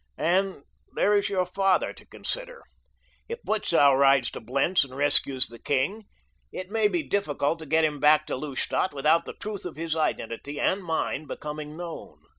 And there is your father to consider. If Butzow rides to Blentz and rescues the king, it may be difficult to get him back to Lustadt without the truth of his identity and mine becoming known.